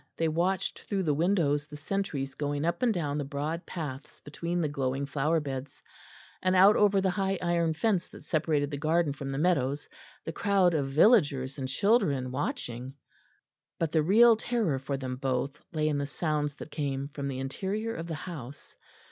They watched through the windows the sentries going up and down the broad paths between the glowing flower beds; and out, over the high iron fence that separated the garden from the meadows, the crowd of villagers and children watching. But the real terror for them both lay in the sounds that came from the interior of the house.